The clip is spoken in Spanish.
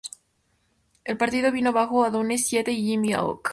El partido vino abajo a Dunne, Siete y Jimmy Havoc.